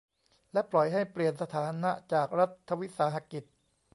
และปล่อยให้เปลี่ยนสถานะจากรัฐวิสาหกิจ